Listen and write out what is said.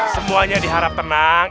semuanya diharap tenang